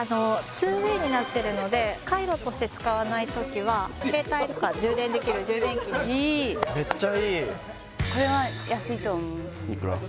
２ＷＡＹになってるのでカイロとして使わない時は携帯とか充電できる充電器にいいめっちゃいいいくら？